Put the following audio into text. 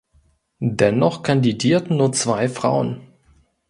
Dennoch kandidierten nur zwei Frauen.